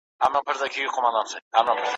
دکرنتین درخصتی څخه په استفاده